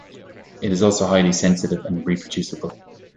It is also highly sensitive and reproducible.